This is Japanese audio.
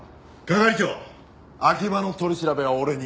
係長秋葉の取り調べは俺に。